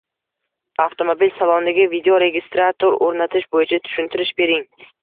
Avtomobil saloniga videoregistrator o‘rnatish bo‘yicha tushuntirish bering?